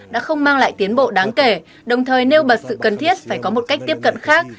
đã không mang lại tiến bộ đáng kể đồng thời nêu bật sự cần thiết phải có một cách tiếp cận khác